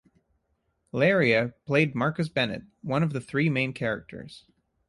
Laryea played Marcus Bennett, one of the three main characters.